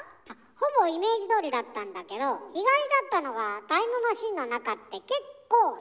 ほぼイメージどおりだったんだけど意外だったのがタイムマシンの中って結構生活感あるのね。